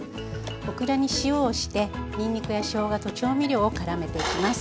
オクラに塩をしてにんにくやしょうがと調味料をからめていきます。